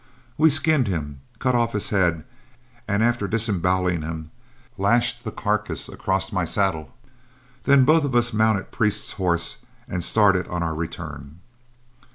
We skinned him, cut off his head, and after disemboweling him, lashed the carcass across my saddle. Then both of us mounted Priest's horse, and started on our return.